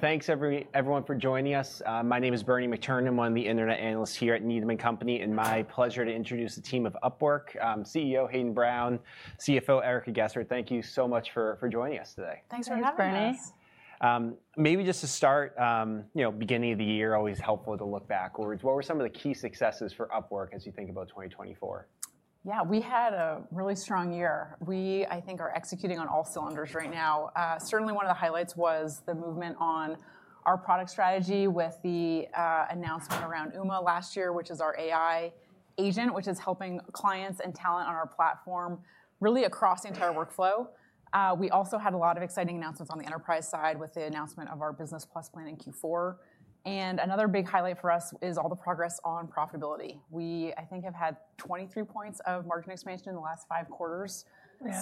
Thanks everyone for joining us. My name is Bernie McTernan. I'm one of the internet analysts here at Needham & Company. It's my pleasure to introduce the team from Upwork: CEO Hayden Brown, CFO Erica Gessert. Thank you so much for joining us today. Thanks for having us. Thanks, Bernie. Maybe just to start, you know, beginning of the year, always helpful to look backwards. What were some of the key successes for Upwork as you think about 2024? Yeah, we had a really strong year. We, I think, are executing on all cylinders right now. Certainly, one of the highlights was the movement on our product strategy with the announcement around Uma last year, which is our AI agent, which is helping clients and talent on our platform really across the entire workflow. We also had a lot of exciting announcements on the enterprise side with the announcement of our Business Plus plan in Q4. And another big highlight for us is all the progress on profitability. We, I think, have had 23 points of margin expansion in the last five quarters.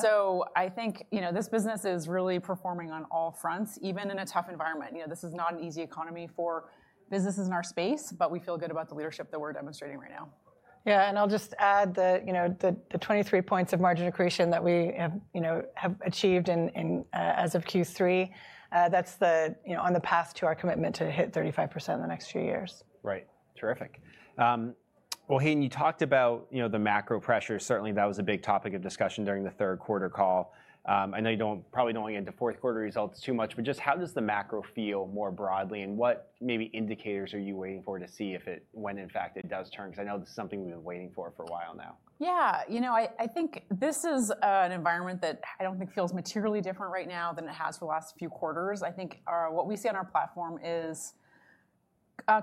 So I think, you know, this business is really performing on all fronts, even in a tough environment. You know, this is not an easy economy for businesses in our space, but we feel good about the leadership that we're demonstrating right now. Yeah, and I'll just add that, you know, the 23 points of margin accretion that we have achieved as of Q3, that's on the path to our commitment to hit 35% in the next few years. Right. Terrific. Well, Hayden, you talked about the macro pressure. Certainly, that was a big topic of discussion during the third quarter call. I know you probably don't want to get into fourth quarter results too much, but just how does the macro feel more broadly? And what maybe indicators are you waiting for to see if it, when in fact it does turn? Because I know this is something we've been waiting for for a while now. Yeah, you know, I think this is an environment that I don't think feels materially different right now than it has for the last few quarters. I think what we see on our platform is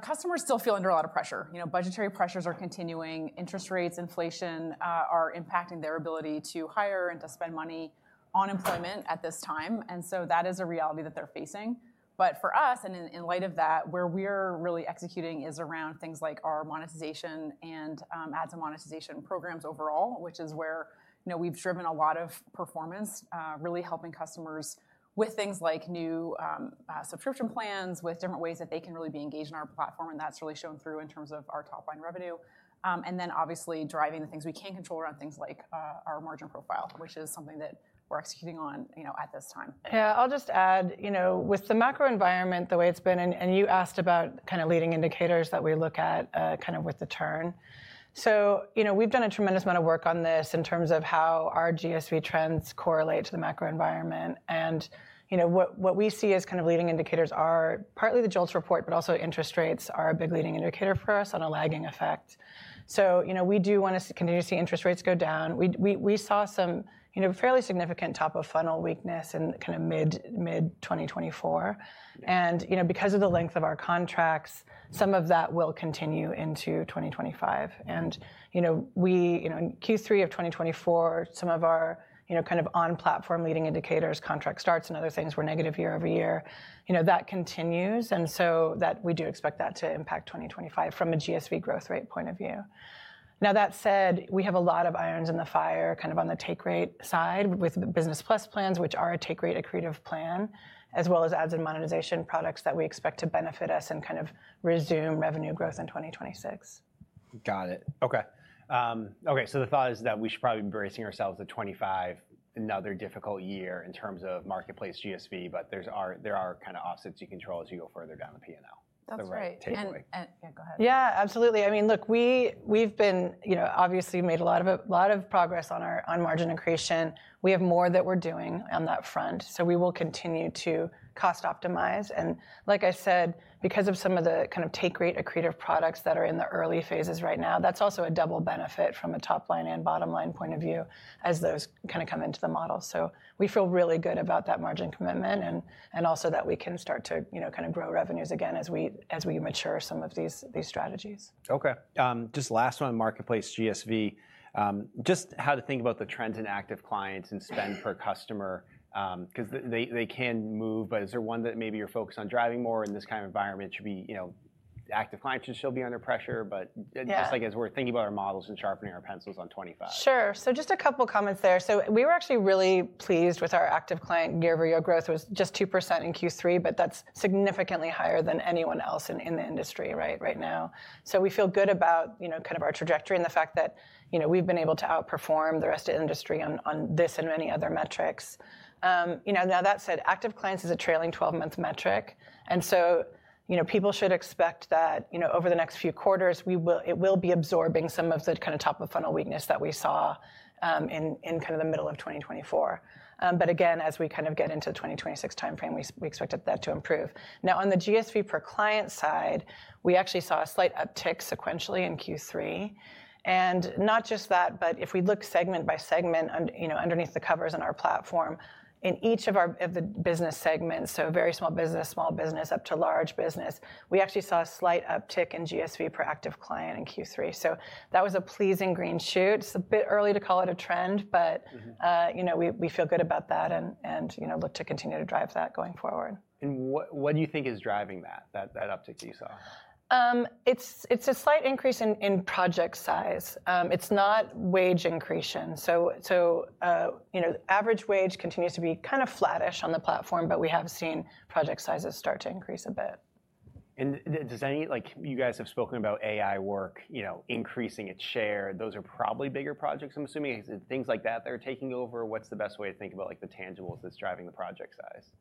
customers still feel under a lot of pressure. You know, budgetary pressures are continuing. Interest rates, inflation are impacting their ability to hire and to spend money on employment at this time. And so that is a reality that they're facing. But for us, and in light of that, where we're really executing is around things like our monetization and ad monetization programs overall, which is where we've driven a lot of performance, really helping customers with things like new subscription plans, with different ways that they can really be engaged in our platform. And that's really shown through in terms of our top line revenue. Then obviously driving the things we can control around things like our margin profile, which is something that we're executing on at this time. Yeah, I'll just add, you know, with the macro environment, the way it's been, and you asked about kind of leading indicators that we look at kind of with the turn. So we've done a tremendous amount of work on this in terms of how our GSV trends correlate to the macro environment. And what we see as kind of leading indicators are partly the JOLTS report, but also interest rates are a big leading indicator for us on a lagging effect. So we do want to continue to see interest rates go down. We saw some fairly significant top of funnel weakness in kind of mid-2024. And because of the length of our contracts, some of that will continue into 2025. And Q3 of 2024, some of our kind of on-platform leading indicators, contract starts and other things were negative year over year. That continues. So we do expect that to impact 2025 from a GSV growth rate point of view. Now, that said, we have a lot of irons in the fire kind of on the take rate side with Business Plus plans, which are a take rate accretive plan, as well as adds and monetization products that we expect to benefit us and kind of resume revenue growth in 2026. Got it. Okay. Okay. So the thought is that we should probably be bracing ourselves to 2025, another difficult year in terms of marketplace GSV, but there are kind of offsets you control as you go further down the P&L. That's right. And yeah, go ahead. Yeah, absolutely. I mean, look, we've obviously made a lot of progress on margin accretion. We have more that we're doing on that front. So we will continue to cost optimize. And like I said, because of some of the kind of take rate accretive products that are in the early phases right now, that's also a double benefit from a top line and bottom line point of view as those kind of come into the model. So we feel really good about that margin commitment and also that we can start to kind of grow revenues again as we mature some of these strategies. Okay. Just last on marketplace GSV. Just how to think about the trends in active clients and spend per customer because they can move. But is there one that maybe you're focused on driving more in this kind of environment should be active clients should still be under pressure, but just like as we're thinking about our models and sharpening our pencils on 2025? Sure. So just a couple of comments there. So we were actually really pleased with our active client year over year growth. It was just 2% in Q3, but that's significantly higher than anyone else in the industry right now. So we feel good about kind of our trajectory and the fact that we've been able to outperform the rest of the industry on this and many other metrics. Now, that said, active clients is a trailing 12-month metric. And so people should expect that over the next few quarters, it will be absorbing some of the kind of top of funnel weakness that we saw in kind of the middle of 2024. But again, as we kind of get into the 2026 timeframe, we expect that to improve. Now, on the GSV per client side, we actually saw a slight uptick sequentially in Q3. And not just that, but if we look segment by segment underneath the covers in our platform, in each of the business segments, so very small business, small business, up to large business, we actually saw a slight uptick in GSV per active client in Q3. So that was a pleasing green shoot. It's a bit early to call it a trend, but we feel good about that and look to continue to drive that going forward. What do you think is driving that uptick that you saw? It's a slight increase in project size. It's not wage increase. So average wage continues to be kind of flattish on the platform, but we have seen project sizes start to increase a bit. You guys have spoken about AI work increasing its share. Those are probably bigger projects, I'm assuming. Is it things like that that are taking over? What's the best way to think about the tangibles that's driving the project size?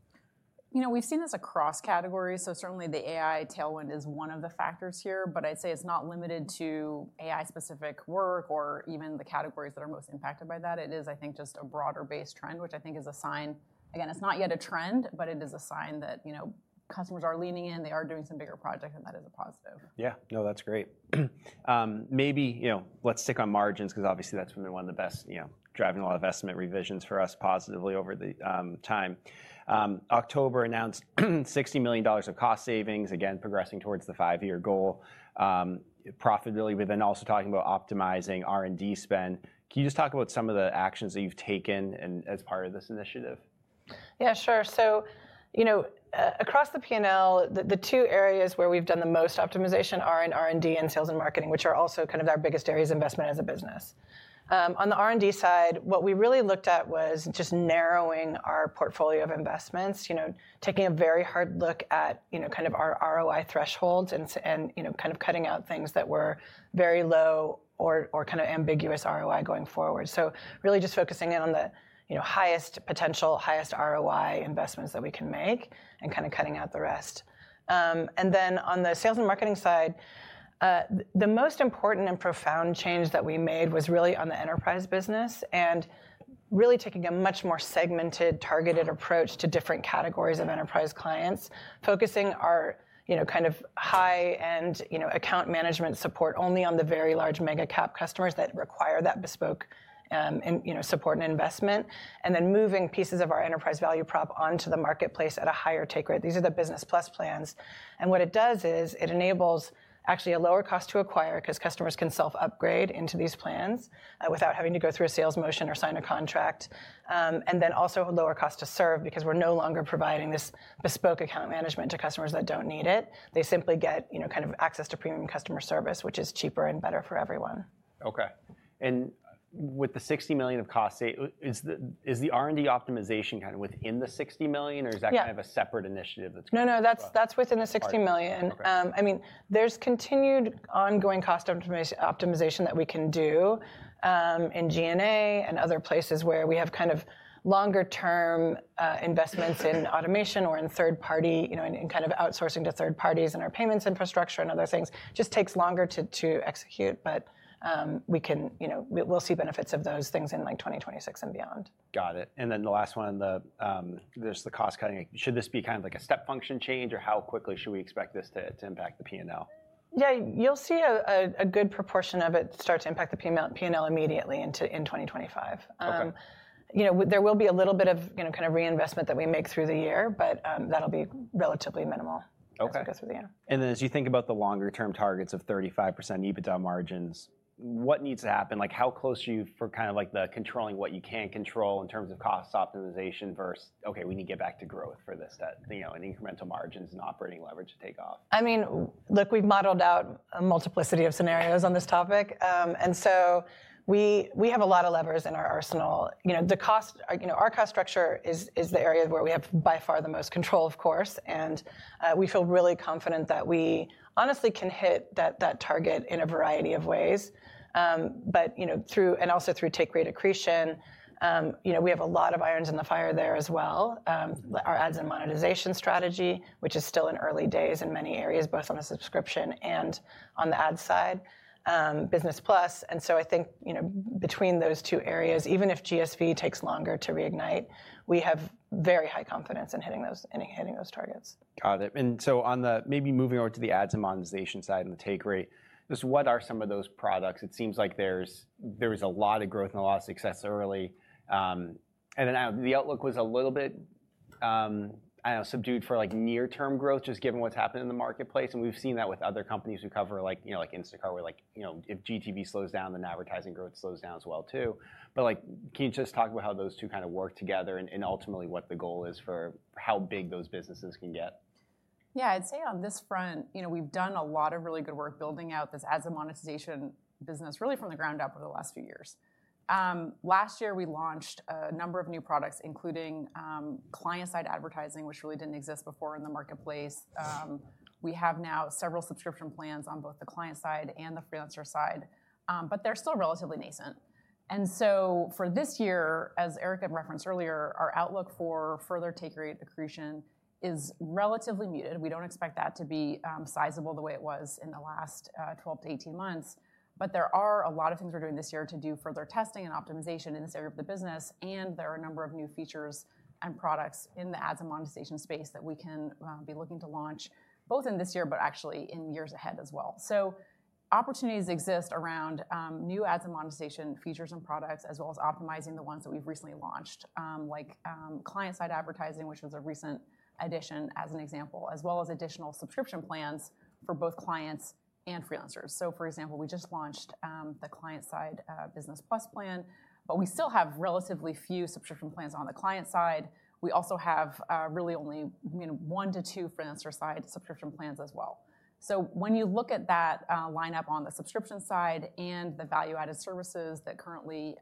You know, we've seen this across categories. So certainly the AI tailwind is one of the factors here, but I'd say it's not limited to AI-specific work or even the categories that are most impacted by that. It is, I think, just a broader-based trend, which I think is a sign. Again, it's not yet a trend, but it is a sign that customers are leaning in. They are doing some bigger projects, and that is a positive. Yeah. No, that's great. Maybe let's stick on margins because obviously that's been one of the best driving a lot of estimate revisions for us positively over time. October announced $60 million of cost savings, again, progressing towards the five-year goal. Profitability, we've been also talking about optimizing R&D spend. Can you just talk about some of the actions that you've taken as part of this initiative? Yeah, sure. So across the P&L, the two areas where we've done the most optimization are in R&D and sales and marketing, which are also kind of our biggest areas of investment as a business. On the R&D side, what we really looked at was just narrowing our portfolio of investments, taking a very hard look at kind of our ROI thresholds and kind of cutting out things that were very low or kind of ambiguous ROI going forward. Really just focusing in on the highest potential, highest ROI investments that we can make and kind of cutting out the rest. And then on the sales and marketing side, the most important and profound change that we made was really on the enterprise business and really taking a much more segmented, targeted approach to different categories of enterprise clients, focusing our kind of high-end account management support only on the very large mega-cap customers that require that bespoke support and investment, and then moving pieces of our enterprise value prop onto the marketplace at a higher take rate. These are the Business Plus plans. And what it does is it enables actually a lower cost to acquire because customers can self-upgrade into these plans without having to go through a sales motion or sign a contract. And then also a lower cost to serve because we're no longer providing this bespoke account management to customers that don't need it. They simply get kind of access to premium customer service, which is cheaper and better for everyone. Okay. And with the $60 million of cost, is the R&D optimization kind of within the $60 million, or is that kind of a separate initiative that's going on? No, no, that's within the $60 million. I mean, there's continued ongoing cost optimization that we can do in G&A and other places where we have kind of longer-term investments in automation or in third-party and kind of outsourcing to third parties in our payments infrastructure and other things. It just takes longer to execute, but we'll see benefits of those things in 2026 and beyond. Got it. And then the last one, there's the cost cutting. Should this be kind of like a step function change or how quickly should we expect this to impact the P&L? Yeah, you'll see a good proportion of it start to impact the P&L immediately in 2025. There will be a little bit of kind of reinvestment that we make through the year, but that'll be relatively minimal as it goes through the year. As you think about the longer-term targets of 35% EBITDA margins, what needs to happen? How close are you to kind of like controlling what you can control in terms of cost optimization versus okay, we need to get back to growth for this and incremental margins and operating leverage to take off? I mean, look, we've modeled out a multiplicity of scenarios on this topic. And so we have a lot of levers in our arsenal. Our cost structure is the area where we have by far the most control, of course. And we feel really confident that we honestly can hit that target in a variety of ways. And also through take rate accretion, we have a lot of irons in the fire there as well. Our ads and monetization strategy, which is still in early days in many areas, both on the subscription and on the ad side, Business Plus. And so I think between those two areas, even if GSV takes longer to reignite, we have very high confidence in hitting those targets. Got it. And so maybe moving over to the ads and monetization side and the take rate, just what are some of those products? It seems like there was a lot of growth and a lot of success early. And then the outlook was a little bit subdued for near-term growth, just given what's happened in the marketplace. And we've seen that with other companies who cover like Instacart, where if GTV slows down, then advertising growth slows down as well too. But can you just talk about how those two kind of work together and ultimately what the goal is for how big those businesses can get? Yeah, I'd say on this front, we've done a lot of really good work building out this ads and monetization business really from the ground up over the last few years. Last year, we launched a number of new products, including client-side advertising, which really didn't exist before in the marketplace. We have now several subscription plans on both the client side and the freelancer side, but they're still relatively nascent. And so for this year, as Erica had referenced earlier, our outlook for further take rate accretion is relatively muted. We don't expect that to be sizable the way it was in the last 12 to 18 months, but there are a lot of things we're doing this year to do further testing and optimization in this area of the business. There are a number of new features and products in the ads and monetization space that we can be looking to launch both in this year, but actually in years ahead as well. Opportunities exist around new ads and monetization features and products, as well as optimizing the ones that we've recently launched, like client-side advertising, which was a recent addition, as an example, as well as additional subscription plans for both clients and freelancers. For example, we just launched the client-side Business Plus plan, but we still have relatively few subscription plans on the client side. We also have really only one to two freelancer-side subscription plans as well. So when you look at that lineup on the subscription side and the value-added services that currently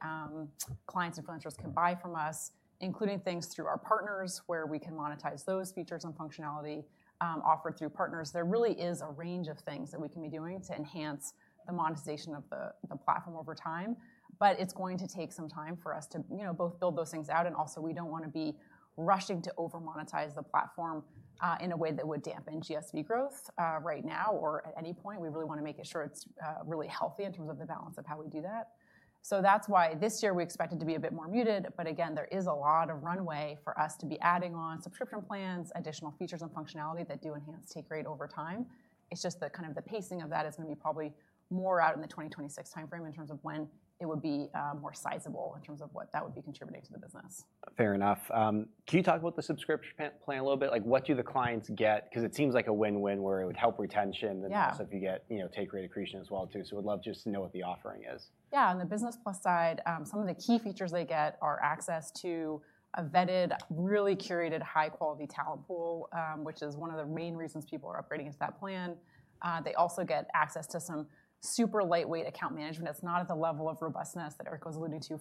clients and freelancers can buy from us, including things through our partners where we can monetize those features and functionality offered through partners, there really is a range of things that we can be doing to enhance the monetization of the platform over time. But it's going to take some time for us to both build those things out, and also, we don't want to be rushing to over-monetize the platform in a way that would dampen GSV growth right now or at any point. We really want to make sure it's really healthy in terms of the balance of how we do that. So that's why this year we expect it to be a bit more muted. But again, there is a lot of runway for us to be adding on subscription plans, additional features and functionality that do enhance take rate over time. It's just that kind of the pacing of that is going to be probably more out in the 2026 timeframe in terms of when it would be more sizable in terms of what that would be contributing to the business. Fair enough. Can you talk about the subscription plan a little bit? What do the clients get? Because it seems like a win-win where it would help retention, and also, if you get take rate accretion as well too, so we'd love just to know what the offering is. Yeah. On the Business Plus side, some of the key features they get are access to a vetted, really curated high-quality talent pool, which is one of the main reasons people are upgrading to that plan. They also get access to some super lightweight account management. It's not at the level of robustness that Erica was alluding to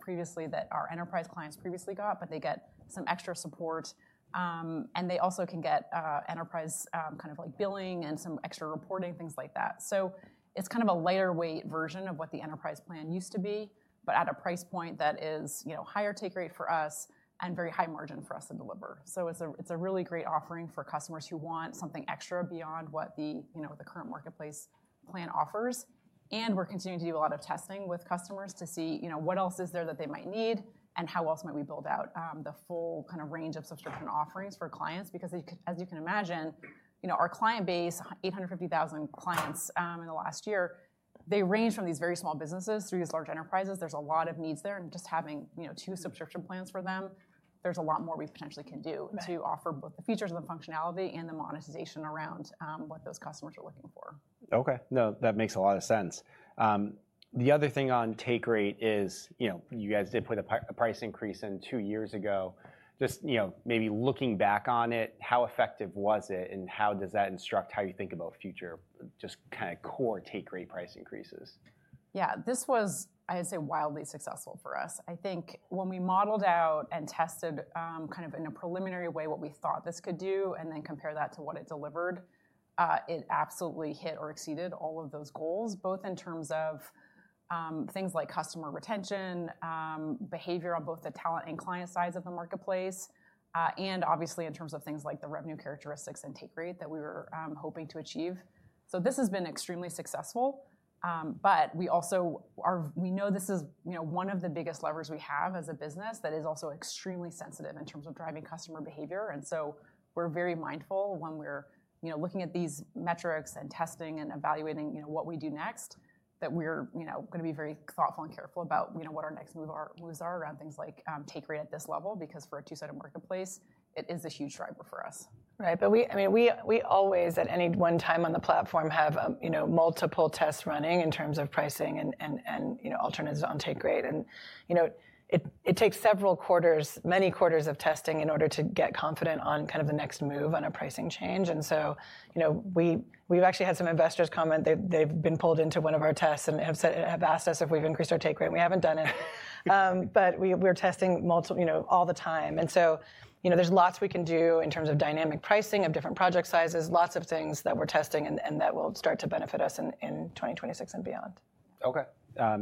previously that our enterprise clients previously got, but they get some extra support. And they also can get enterprise kind of like billing and some extra reporting, things like that. So it's kind of a lighter-weight version of what the Enterprise plan used to be, but at a price point that is higher take rate for us and very high margin for us to deliver. So it's a really great offering for customers who want something extra beyond what the current marketplace plan offers. We're continuing to do a lot of testing with customers to see what else is there that they might need and how else might we build out the full kind of range of subscription offerings for clients. Because as you can imagine, our client base, 850,000 clients in the last year, they range from these very small businesses through these large enterprises. There's a lot of needs there. Just having two subscription plans for them, there's a lot more we potentially can do to offer both the features and the functionality and the monetization around what those customers are looking for. Okay. No, that makes a lot of sense. The other thing on take rate is you guys did put a price increase in two years ago. Just maybe looking back on it, how effective was it and how does that instruct how you think about future just kind of core take rate price increases? Yeah, this was, I'd say, wildly successful for us. I think when we modeled out and tested kind of in a preliminary way what we thought this could do and then compared that to what it delivered, it absolutely hit or exceeded all of those goals, both in terms of things like customer retention, behavior on both the talent and client sides of the marketplace, and obviously in terms of things like the revenue characteristics and take rate that we were hoping to achieve. So this has been extremely successful. But we know this is one of the biggest levers we have as a business that is also extremely sensitive in terms of driving customer behavior. And so we're very mindful when we're looking at these metrics and testing and evaluating what we do next that we're going to be very thoughtful and careful about what our next moves are around things like take rate at this level because for a two-sided marketplace, it is a huge driver for us. Right. But I mean, we always at any one time on the platform have multiple tests running in terms of pricing and alternatives on take rate. And it takes several quarters, many quarters of testing in order to get confident on kind of the next move on a pricing change. And so we've actually had some investors comment that they've been pulled into one of our tests and have asked us if we've increased our take rate. We haven't done it, but we're testing all the time. And so there's lots we can do in terms of dynamic pricing of different project sizes, lots of things that we're testing and that will start to benefit us in 2026 and beyond. Okay.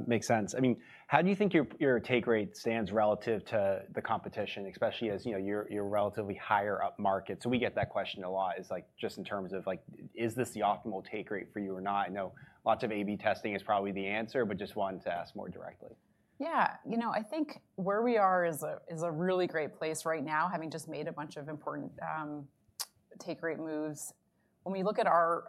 Makes sense. I mean, how do you think your take rate stands relative to the competition, especially as you're relatively higher up market, so we get that question a lot is just in terms of is this the optimal take rate for you or not? I know lots of A/B testing is probably the answer, but just wanted to ask more directly. Yeah. You know, I think where we are is a really great place right now, having just made a bunch of important take rate moves. When we look at our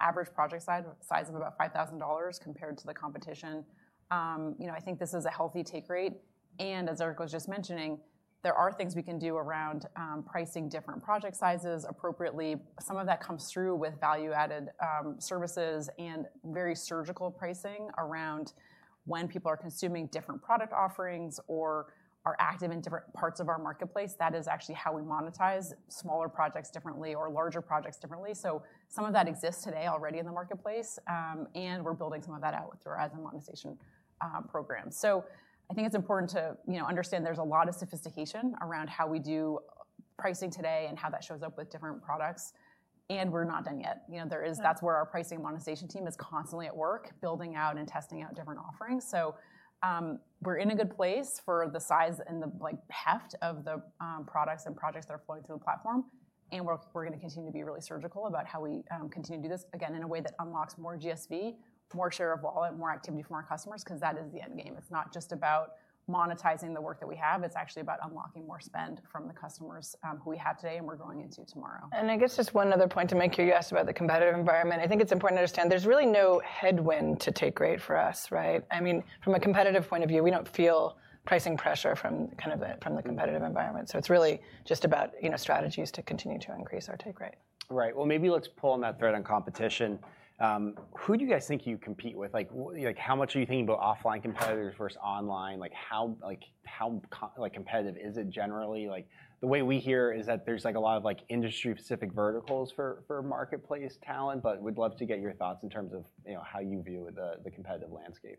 average project size of about $5,000 compared to the competition, I think this is a healthy take rate. And as Erica was just mentioning, there are things we can do around pricing different project sizes appropriately. Some of that comes through with value-added services and very surgical pricing around when people are consuming different product offerings or are active in different parts of our marketplace. That is actually how we monetize smaller projects differently or larger projects differently. So some of that exists today already in the marketplace, and we're building some of that out through our ads and monetization program. So I think it's important to understand there's a lot of sophistication around how we do pricing today and how that shows up with different products. And we're not done yet. That's where our pricing and monetization team is constantly at work, building out and testing out different offerings. So we're in a good place for the size and the heft of the products and projects that are flowing through the platform. And we're going to continue to be really surgical about how we continue to do this again in a way that unlocks more GSV, more share of wallet, more activity from our customers because that is the end game. It's not just about monetizing the work that we have. It's actually about unlocking more spend from the customers who we have today and we're going into tomorrow. I guess just one other point. You asked about the competitive environment. I think it's important to understand there's really no headwind to take rate for us, right? I mean, from a competitive point of view, we don't feel pricing pressure from kind of the competitive environment. So it's really just about strategies to continue to increase our take rate. Right. Well, maybe let's pull on that thread on competition. Who do you guys think you compete with? How much are you thinking about offline competitors versus online? How competitive is it generally? The way we hear is that there's a lot of industry-specific verticals for marketplace talent, but we'd love to get your thoughts in terms of how you view the competitive landscape.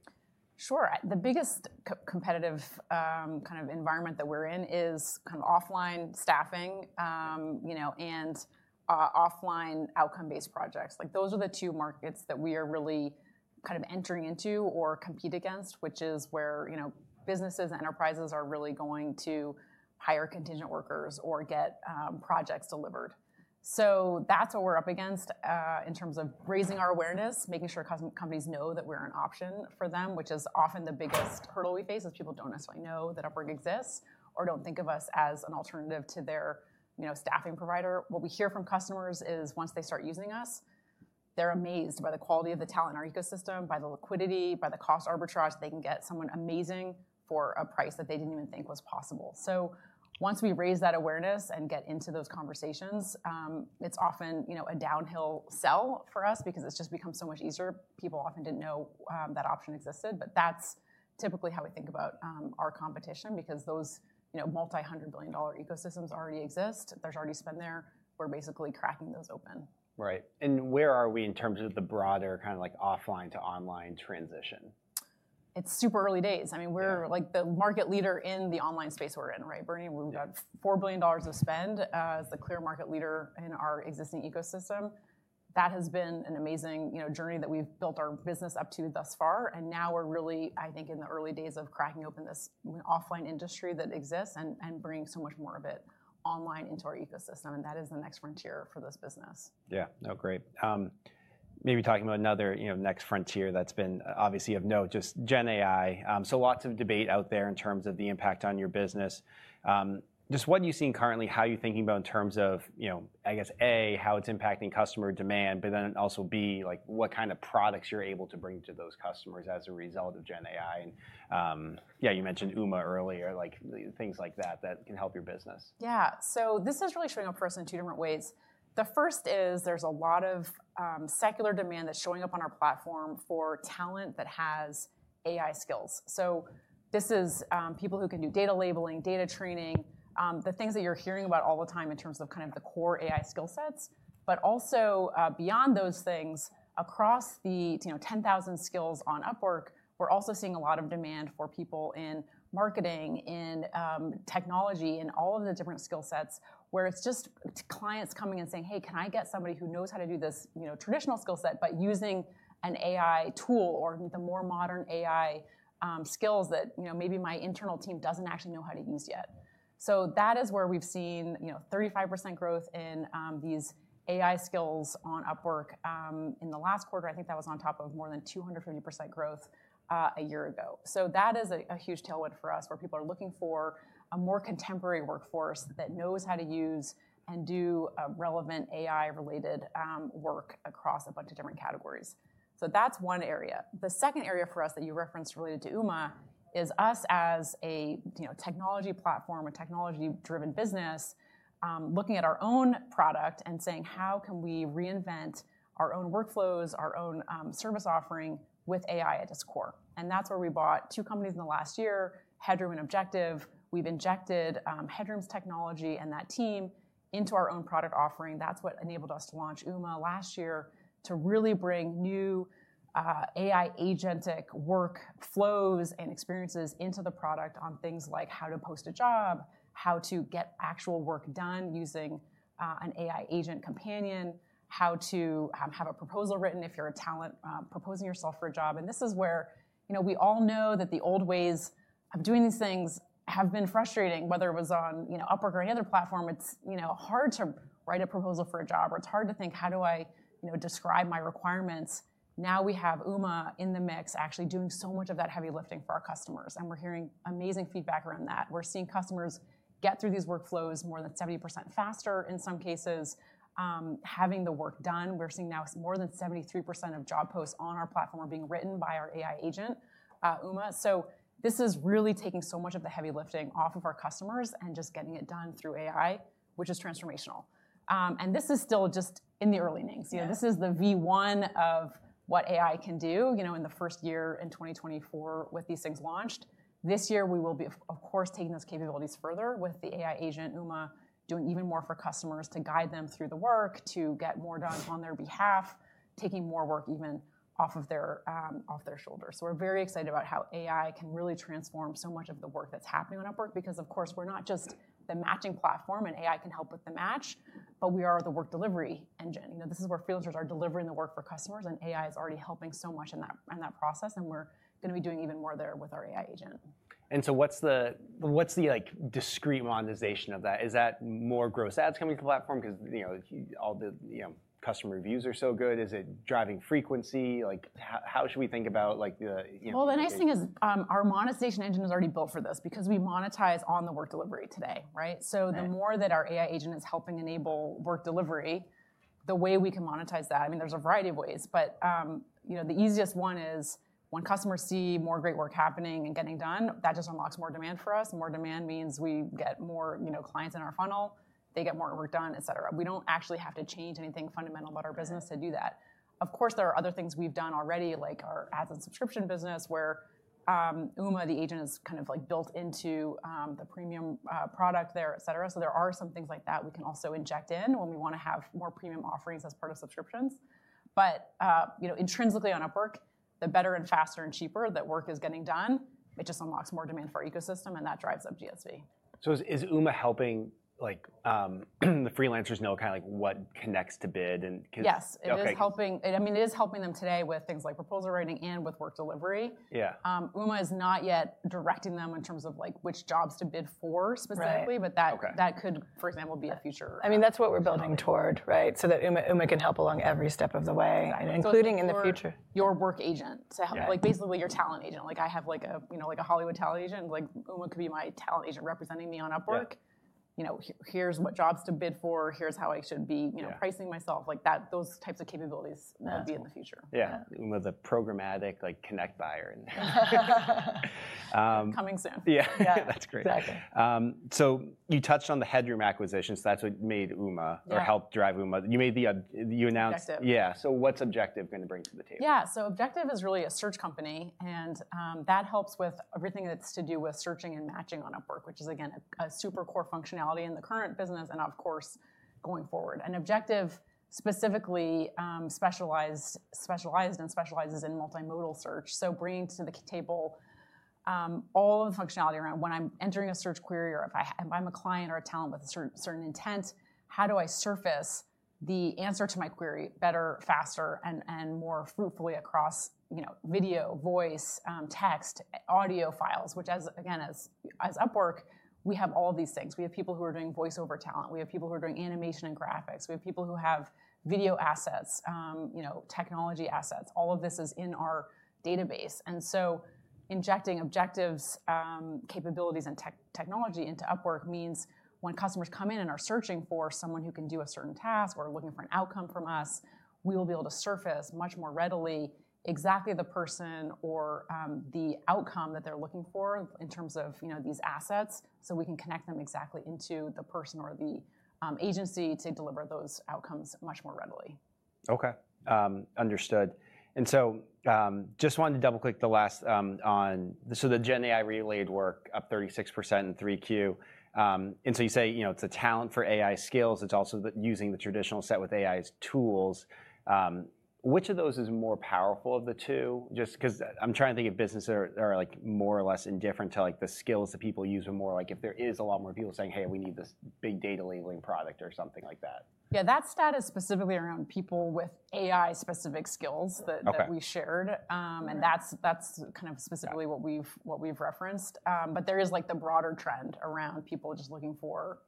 Sure. The biggest competitive kind of environment that we're in is kind of offline staffing and offline outcome-based projects. Those are the two markets that we are really kind of entering into or compete against, which is where businesses and enterprises are really going to hire contingent workers or get projects delivered. So that's what we're up against in terms of raising our awareness, making sure companies know that we're an option for them, which is often the biggest hurdle we face is people don't necessarily know that Upwork exists or don't think of us as an alternative to their staffing provider. What we hear from customers is once they start using us, they're amazed by the quality of the talent in our ecosystem, by the liquidity, by the cost arbitrage they can get someone amazing for a price that they didn't even think was possible. Once we raise that awareness and get into those conversations, it's often a downhill sell for us because it's just become so much easier. People often didn't know that option existed. But that's typically how we think about our competition because those multi-hundred-billion-dollar ecosystems already exist. There's already spend there. We're basically cracking those open. Right, and where are we in terms of the broader kind of offline to online transition? It's super early days. I mean, we're the market leader in the online space we're in, right, Bernie? We've got $4 billion of spend as the clear market leader in our existing ecosystem. That has been an amazing journey that we've built our business up to thus far. And now we're really, I think, in the early days of cracking open this offline industry that exists and bringing so much more of it online into our ecosystem. And that is the next frontier for this business. Yeah. No, great. Maybe talking about another next frontier that's been obviously of note, just Gen AI. So lots of debate out there in terms of the impact on your business. Just what you've seen currently, how you're thinking about in terms of, I guess, A, how it's impacting customer demand, but then also B, what kind of products you're able to bring to those customers as a result of Gen AI. And yeah, you mentioned Uma earlier, things like that that can help your business. Yeah. So this is really showing up first in two different ways. The first is there's a lot of secular demand that's showing up on our platform for talent that has AI skills. So this is people who can do data labeling, data training, the things that you're hearing about all the time in terms of kind of the core AI skill sets. But also beyond those things, across the 10,000 skills on Upwork, we're also seeing a lot of demand for people in marketing, in technology, in all of the different skill sets where it's just clients coming and saying, "Hey, can I get somebody who knows how to do this traditional skill set, but using an AI tool or the more modern AI skills that maybe my internal team doesn't actually know how to use yet?" So that is where we've seen 35% growth in these AI skills on Upwork. In the last quarter, I think that was on top of more than 250% growth a year ago. So that is a huge tailwind for us where people are looking for a more contemporary workforce that knows how to use and do relevant AI-related work across a bunch of different categories. So that's one area. The second area for us that you referenced related to Uma is us as a technology platform, a technology-driven business, looking at our own product and saying, "How can we reinvent our own workflows, our own service offering with AI at its core?" And that's where we bought two companies in the last year, Headroom and Objective. We've injected Headroom's technology and that team into our own product offering. That's what enabled us to launch Uma last year to really bring new AI-agentic workflows and experiences into the product on things like how to post a job, how to get actual work done using an AI agent companion, how to have a proposal written if you're a talent proposing yourself for a job. And this is where we all know that the old ways of doing these things have been frustrating, whether it was on Upwork or any other platform. It's hard to write a proposal for a job, or it's hard to think, "How do I describe my requirements?" Now we have Uma in the mix actually doing so much of that heavy lifting for our customers, and we're hearing amazing feedback around that. We're seeing customers get through these workflows more than 70% faster in some cases, having the work done. We're seeing now more than 73% of job posts on our platform are being written by our AI agent, Uma, so this is really taking so much of the heavy lifting off of our customers and just getting it done through AI, which is transformational, and this is still just in the early innings. This is the V1 of what AI can do in the first year in 2024 with these things launched. This year, we will be, of course, taking those capabilities further with the AI agent, Uma, doing even more for customers to guide them through the work, to get more done on their behalf, taking more work even off of their shoulders. So we're very excited about how AI can really transform so much of the work that's happening on Upwork because, of course, we're not just the matching platform and AI can help with the match, but we are the work delivery engine. This is where freelancers are delivering the work for customers, and AI is already helping so much in that process, and we're going to be doing even more there with our AI agent. And so what's the discrete monetization of that? Is that more gross ads coming to the platform because all the customer reviews are so good? Is it driving frequency? How should we think about the? The nice thing is our monetization engine is already built for this because we monetize on the work delivery today, right? So the more that our AI agent is helping enable work delivery, the way we can monetize that, I mean, there's a variety of ways. But the easiest one is when customers see more great work happening and getting done, that just unlocks more demand for us. More demand means we get more clients in our funnel, they get more work done, et cetera. We don't actually have to change anything fundamental about our business to do that. Of course, there are other things we've done already, like our ads and subscription business where Uma, the agent, is kind of built into the premium product there, et cetera. There are some things like that we can also inject in when we want to have more premium offerings as part of subscriptions. But intrinsically on Upwork, the better and faster and cheaper that work is getting done, it just unlocks more demand for our ecosystem, and that drives up GSV. Is Uma helping the freelancers know kind of what Connects to bid and? Yes. I mean, it is helping them today with things like proposal writing and with work delivery. Uma is not yet directing them in terms of which jobs to bid for specifically, but that could, for example, be a future. I mean, that's what we're building toward, right? So that Uma can help along every step of the way, including in the future. Your work agent. Basically, your talent agent. I have a Hollywood talent agent. Uma could be my talent agent representing me on Upwork. Here's what jobs to bid for. Here's how I should be pricing myself. Those types of capabilities would be in the future. Yeah. Uma's a programmatic Connect buyer. Coming soon. Yeah. That's great. So you touched on the Headroom acquisition. So that's what made Uma or helped drive Uma. You announced. Objective. Yeah, so what's Objective going to bring to the table? Yeah. So Objective is really a search company, and that helps with everything that's to do with searching and matching on Upwork, which is, again, a super core functionality in the current business and, of course, going forward. And Objective specifically specialized and specializes in multimodal search. So bringing to the table all of the functionality around when I'm entering a search query or if I'm a client or a talent with a certain intent, how do I surface the answer to my query better, faster, and more fruitfully across video, voice, text, audio files, which, again, as Upwork, we have all of these things. We have people who are doing voiceover talent. We have people who are doing animation and graphics. We have people who have video assets, technology assets. All of this is in our database. Injecting Objective's capabilities and technology into Upwork means when customers come in and are searching for someone who can do a certain task or looking for an outcome from us, we will be able to surface much more readily exactly the person or the outcome that they're looking for in terms of these assets so we can connect them exactly into the person or the agency to deliver those outcomes much more readily. Okay. Understood. And so just wanted to double-click the last one. So the Gen AI related work up 36% in 3Q. And so you say it's talent for AI skills. It's also using the traditional skill set with AI tools. Which of those is more powerful of the two? Just because I'm trying to think of businesses that are more or less indifferent to the skills that people use or more like if there is a lot more people saying, "Hey, we need this big data labeling product or something like that. Yeah. That's stats specifically around people with AI-specific skills that we shared. And that's kind of specifically what we've referenced. But there is the broader trend around people just looking for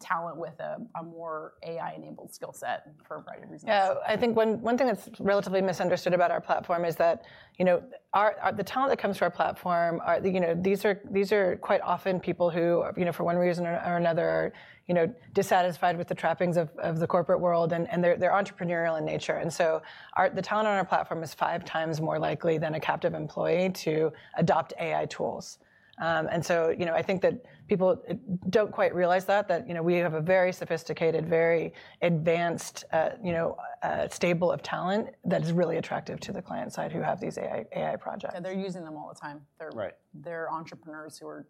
talent with a more AI-enabled skill set for a variety of reasons. Yeah. I think one thing that's relatively misunderstood about our platform is that the talent that comes to our platform, these are quite often people who, for one reason or another, are dissatisfied with the trappings of the corporate world, and they're entrepreneurial in nature. And so the talent on our platform is five times more likely than a captive employee to adopt AI tools. And so I think that people don't quite realize that, that we have a very sophisticated, very advanced stable of talent that is really attractive to the client side who have these AI projects. And they're using them all the time. They're entrepreneurs who are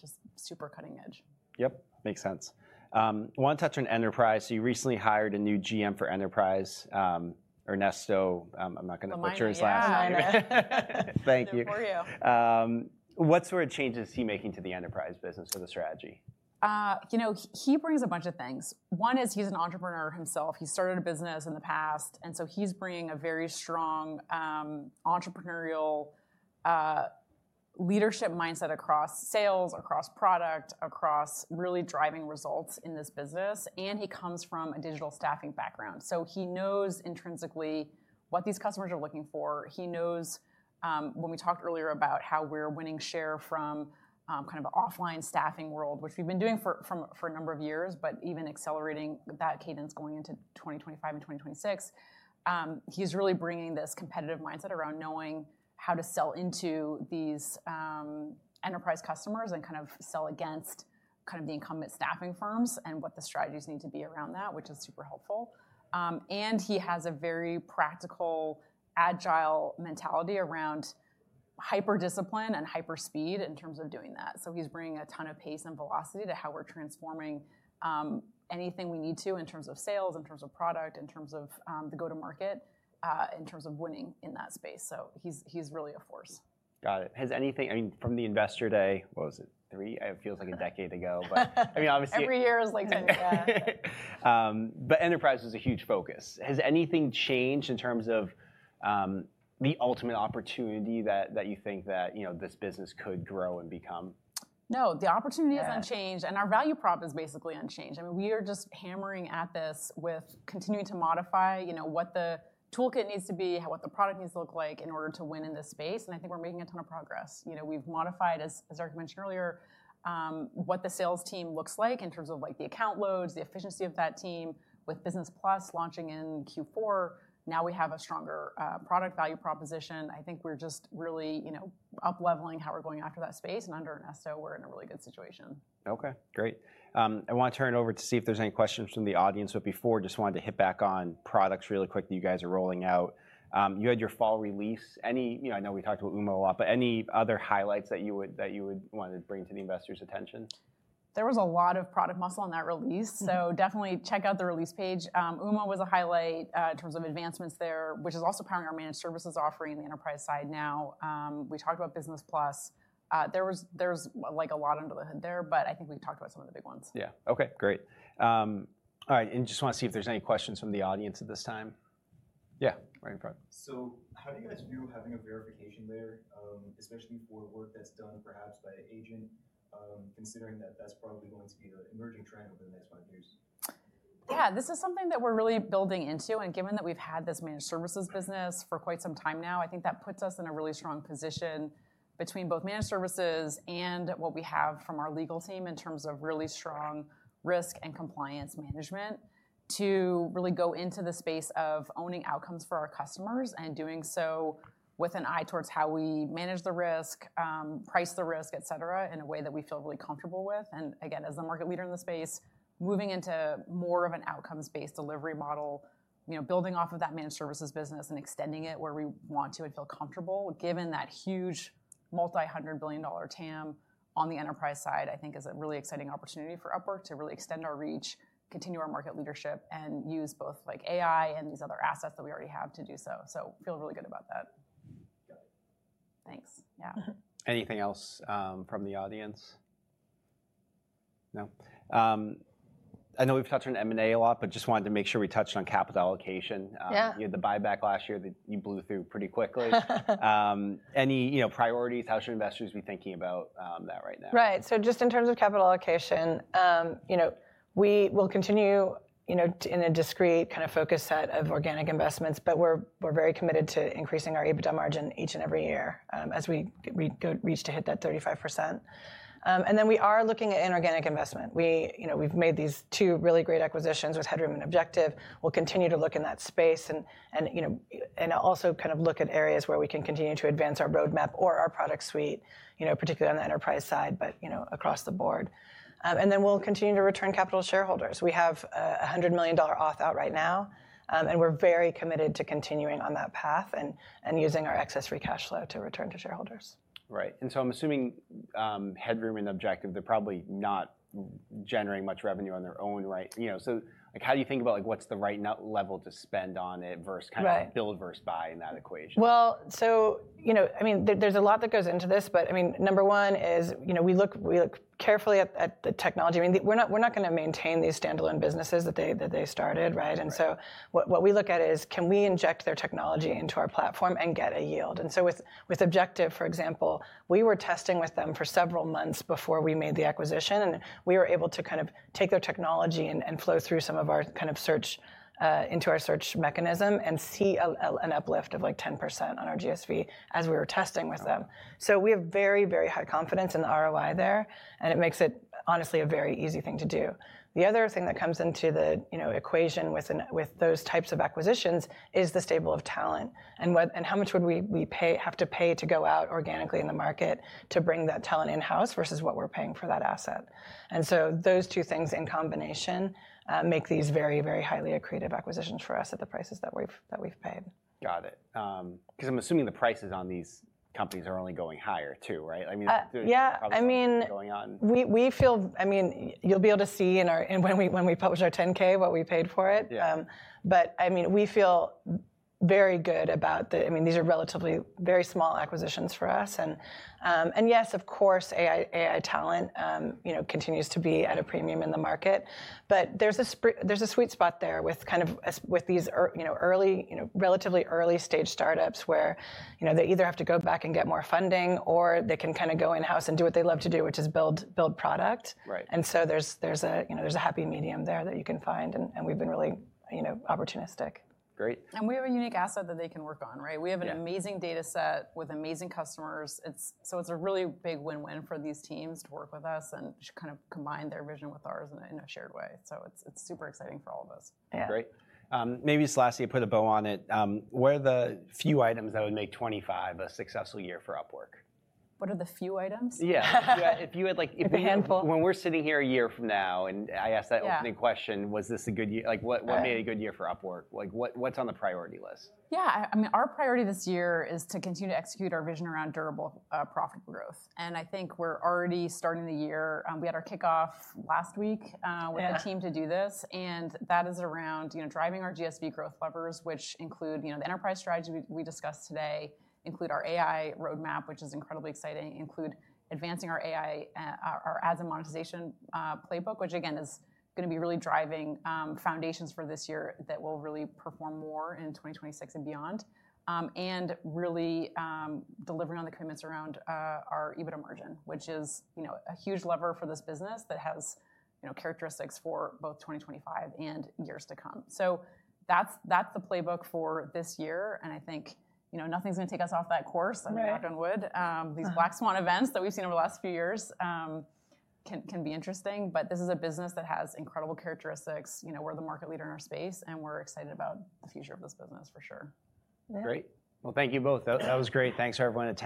just super cutting edge. Yep. Makes sense. I want to touch on enterprise. So you recently hired a new GM for enterprise, Ernesto. I'm not going to butcher his last name. Thank you. Good for you. What sort of changes is he making to the enterprise business for the strategy? He brings a bunch of things. One is he's an entrepreneur himself. He started a business in the past. And so he's bringing a very strong entrepreneurial leadership mindset across sales, across product, across really driving results in this business. And he comes from a digital staffing background. So he knows intrinsically what these customers are looking for. He knows when we talked earlier about how we're winning share from kind of an offline staffing world, which we've been doing for a number of years, but even accelerating that cadence going into 2025 and 2026, he's really bringing this competitive mindset around knowing how to sell into these enterprise customers and kind of sell against kind of the incumbent staffing firms and what the strategies need to be around that, which is super helpful. And he has a very practical, agile mentality around hyper-discipline and hyper-speed in terms of doing that. So he's bringing a ton of pace and velocity to how we're transforming anything we need to in terms of sales, in terms of product, in terms of the go-to-market, in terms of winning in that space. So he's really a force. Got it. Has anything, I mean, from the investor day, what was it? Three? It feels like a decade ago, but I mean, obviously. Every year is like 10, yeah. But enterprise is a huge focus. Has anything changed in terms of the ultimate opportunity that you think that this business could grow and become? No. The opportunity is unchanged, and our value prop is basically unchanged. I mean, we are just hammering at this with continuing to modify what the toolkit needs to be, what the product needs to look like in order to win in this space. And I think we're making a ton of progress. We've modified, as Erica mentioned earlier, what the sales team looks like in terms of the account loads, the efficiency of that team. With Business Plus launching in Q4, now we have a stronger product value proposition. I think we're just really up-leveling how we're going after that space. And under Ernesto, we're in a really good situation. Okay. Great. I want to turn it over to see if there's any questions from the audience. But before, just wanted to hit back on products really quick that you guys are rolling out. You had your fall release. I know we talked about Uma a lot, but any other highlights that you would want to bring to the investors' attention? There was a lot of product muscle on that release. So definitely check out the release page. Uma was a highlight in terms of advancements there, which is also powering our Managed Services offering on the enterprise side now. We talked about Business Plus. There's a lot under the hood there, but I think we talked about some of the big ones. Yeah. Okay. Great. All right. And just want to see if there's any questions from the audience at this time. Yeah. Right in front. So how do you guys view having a verification layer, especially for work that's done perhaps by an agent, considering that that's probably going to be an emerging trend over the next five years? Yeah. This is something that we're really building into. And given that we've had this Managed Services business for quite some time now, I think that puts us in a really strong position between both Managed Services and what we have from our legal team in terms of really strong risk and compliance management to really go into the space of owning outcomes for our customers and doing so with an eye towards how we manage the risk, price the risk, et cetera, in a way that we feel really comfortable with. And again, as a market leader in the space, moving into more of an outcomes-based delivery model, building off of that Managed services business and extending it where we want to and feel comfortable, given that huge multi-hundred billion dollar TAM on the enterprise side, I think is a really exciting opportunity for Upwork to really extend our reach, continue our market leadership, and use both AI and these other assets that we already have to do so. So feel really good about that. Got it. Thanks. Yeah. Anything else from the audience? No? I know we've touched on M&A a lot, but just wanted to make sure we touched on capital allocation. The buyback last year that you blew through pretty quickly. Any priorities? How should investors be thinking about that right now? Right. So just in terms of capital allocation, we will continue in a disciplined kind of focused set of organic investments, but we're very committed to increasing our EBITDA margin each and every year as we reach to hit that 35%. And then we are looking at inorganic investment. We've made these two really great acquisitions with Headroom and Objective. We'll continue to look in that space and also kind of look at areas where we can continue to advance our roadmap or our product suite, particularly on the enterprise side, but across the board. And then we'll continue to return capital to shareholders. We have a $100 million authorization out right now, and we're very committed to continuing on that path and using our excess free cash flow to return to shareholders. Right. And so I'm assuming Headroom and Objective, they're probably not generating much revenue on their own, right? So how do you think about what's the right level to spend on it versus kind of build versus buy in that equation? Well, so I mean, there's a lot that goes into this, but I mean, number one is we look carefully at the technology. I mean, we're not going to maintain these standalone businesses that they started, right? And so what we look at is, can we inject their technology into our platform and get a yield? And so with Objective, for example, we were testing with them for several months before we made the acquisition, and we were able to kind of take their technology and flow through some of our kind of search into our search mechanism and see an uplift of like 10% on our GSV as we were testing with them. So we have very, very high confidence in the ROI there, and it makes it honestly a very easy thing to do. The other thing that comes into the equation with those types of acquisitions is the stable of talent and how much would we have to pay to go out organically in the market to bring that talent in-house versus what we're paying for that asset, and so those two things in combination make these very, very highly accretive acquisitions for us at the prices that we've paid. Got it. Because I'm assuming the prices on these companies are only going higher too, right? I mean. Yeah. I mean, we feel, I mean, you'll be able to see when we publish our 10-K what we paid for it. But I mean, we feel very good about the, I mean, these are relatively very small acquisitions for us. And yes, of course, AI talent continues to be at a premium in the market. But there's a sweet spot there with kind of with these relatively early stage startups where they either have to go back and get more funding or they can kind of go in-house and do what they love to do, which is build product. And so there's a happy medium there that you can find, and we've been really opportunistic. Great. And we have a unique asset that they can work on, right? We have an amazing data set with amazing customers. So it's a really big win-win for these teams to work with us and kind of combine their vision with ours in a shared way. So it's super exciting for all of us. Great. Maybe just lastly, to put a bow on it, what are the few items that would make 2025 a successful year for Upwork? What are the few items? Yeah. If you had like. A handful. When we're sitting here a year from now and I ask that opening question, was this a good year? What made it a good year for Upwork? What's on the priority list? Yeah. I mean, our priority this year is to continue to execute our vision around durable profit growth. And I think we're already starting the year. We had our kickoff last week with the team to do this. And that is around driving our GSV growth levers, which include the enterprise strategy we discussed today, include our AI roadmap, which is incredibly exciting, include advancing our AI, our ads and monetization playbook, which again is going to be really driving foundations for this year that will really perform more in 2026 and beyond, and really delivering on the commitments around our EBITDA margin, which is a huge lever for this business that has characteristics for both 2025 and years to come. So that's the playbook for this year. And I think nothing's going to take us off that course. I mean, knock on wood. These Black Swan events that we've seen over the last few years can be interesting. But this is a business that has incredible characteristics. We're the market leader in our space, and we're excited about the future of this business for sure. Great. Well, thank you both. That was great. Thanks for everyone.